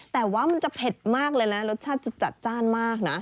แต่ว่ามันจะเผ็ดมากเลยนะรสชาติจะจัดจ้านมากนะ